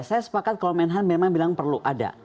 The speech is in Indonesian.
saya sepakat kalau menhan memang bilang perlu ada